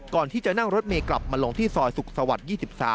ก่อนที่จะนั่งรถเมย์กลับมาลงที่ซอยสุขสวรรค์๒๓